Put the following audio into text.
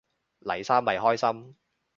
黎生咪開心